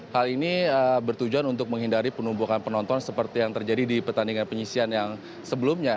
hal ini bertujuan untuk menghindari penumpukan penonton seperti yang terjadi di pertandingan penyisian yang sebelumnya